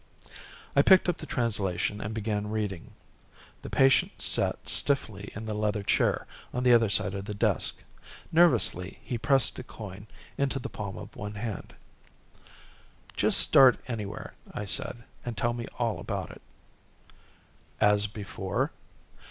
I picked up the translation and began reading. The patient sat stiffly in the leather chair on the other side of the desk. Nervously he pressed a coin into the palm of one hand. "Just start anywhere," I said, "and tell me all about it." "As before?"